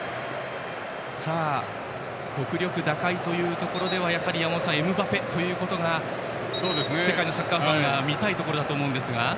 独力打開というところでは山本さんエムバペということが世界のサッカーファンが見たいところだと思いますが。